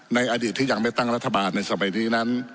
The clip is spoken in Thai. ในอดีตที่ยังไม่ตั้งรัฐบาลในสมัยนี้นั้น